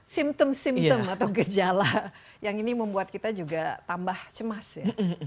simptom simptom atau gejala yang ini membuat kita juga tambah cemas ya